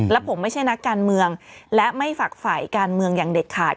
และผมไม่ใช่นักการเมืองและไม่ฝักฝ่ายการเมืองอย่างเด็ดขาด